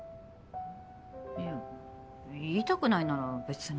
いや言いたくないなら別に。